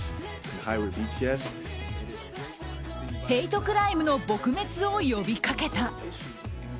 ヘイトクライムの撲滅を呼びかけた。